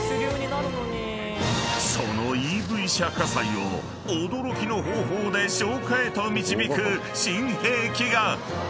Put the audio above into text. ［そのＥＶ車火災を驚きの方法で消火へと導く新兵器が］